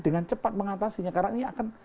dengan cepat mengatasinya karena ini akan